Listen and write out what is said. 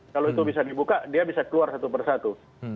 kalau itu bisa dibuka dia bisa keluar satu persatu